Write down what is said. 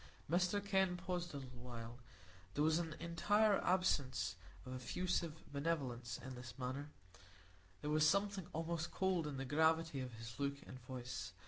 Dr Kenn paused a little while. There was an entire absence of effusive benevolence in his manner; there was something almost cold in the gravity of his look and voice.